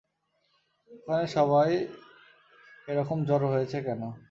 ওখানে সবাই এরকম জড়ো হয়েছে কেন?